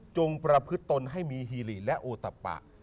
จงประพฤตนให้มีฮิลิและโอตปะ